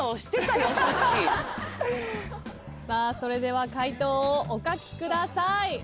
さあそれでは解答をお書きください。